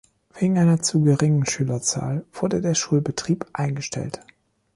Wegen einer zu geringen Schülerzahl wurde der Schulbetrieb eingestellt.